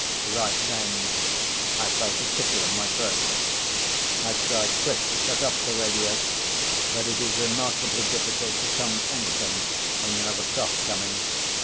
Right then I felt a tickle in my throat. I tried quick to shut off the radio, but it is remarkably difficult to tongue anything when you have a cough coming.